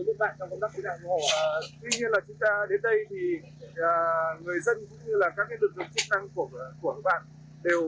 người dân cũng như là các cái lực lượng chức năng của các bạn đều rất là nhiệt tình và đánh giá cao với sự giúp sức của chúng ta trong công tác cứu nạn ngũ hộ